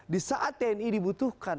di saat tni dibutuhkan